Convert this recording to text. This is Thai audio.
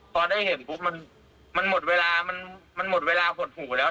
พอได้เห็นปุ๊บมันหมดเวลามันหมดเวลาหดหูแล้ว